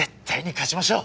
勝ちましょう。